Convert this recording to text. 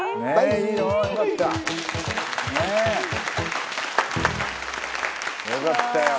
よかったよ